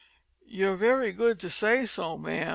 "You're very good to say so, ma'am.